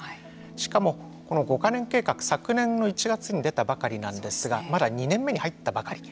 しかも、５か年計画昨年の１月に出たばかりなんですがまだ２年目に入ったばかり。